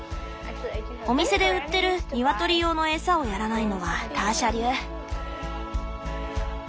お店で売ってるニワトリ用の餌をやらないのはターシャ流。